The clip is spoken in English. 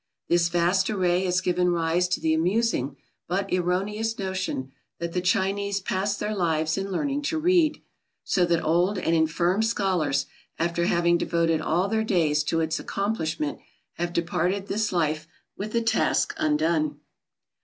This vast array has given rise to the amusing, but erroneous notion, that the Chinese pass their lives in learning to read; so that old and infirm scholars, after having devoted all their days to its accomplishment, have departed this life with the task undone.